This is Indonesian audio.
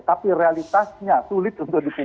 tapi realitasnya sulit untuk dipilih